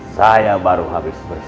saya baru habis bersemangat